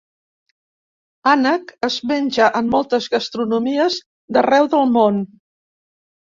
Ànec es menja en moltes gastronomies d'arreu del món.